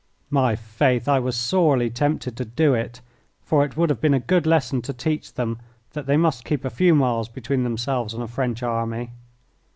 My faith, I was sorely tempted to do it, for it would have been a good lesson to teach them that they must keep a few miles between themselves and a French army.